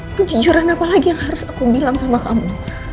kejujuran apa lagi yang harus aku bilang sama kamu